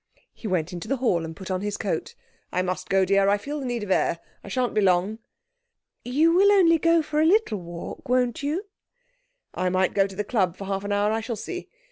He went into the hall and put on his coat. 'I must go, dear. I feel the need of air. I shan't be long.' 'You will only go for a little walk, won't you?' 'I might go to the club for half an hour. I shall see.